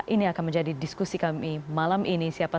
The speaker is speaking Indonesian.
ini akan menjadi diskusi kami malam ini siapa